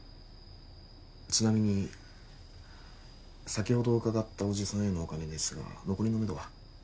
ちなみに先ほどうかがったおじさんへのお金ですが残りのめどは？